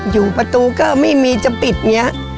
อยู่ประตูก็ไม่มีจะปิดอย่างนี้